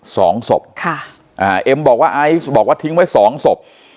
สองศพค่ะอ่าเอ็มบอกว่าไอซ์บอกว่าทิ้งไว้สองศพ